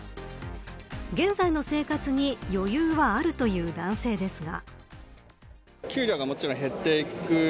現在の生活に余裕はあるという男性ですが。